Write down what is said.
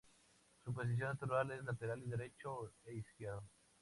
Su posición natural es lateral derecho e izquierdo.